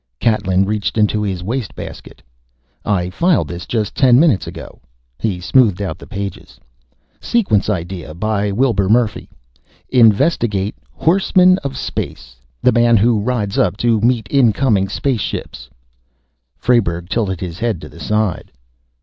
Catlin reached into his waste basket. "I filed this just ten minutes ago...." He smoothed out the pages. "'Sequence idea, by Wilbur Murphy. Investigate "Horseman of Space," the man who rides up to meet incoming space ships.'" Frayberg tilted his head to the side.